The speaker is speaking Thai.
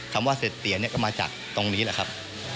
คำว่าเสร็จเสียเนี่ยก็มาจากตรงนี้แหละครับ